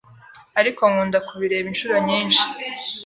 ariko nkunda kubireba inshuro nyinshi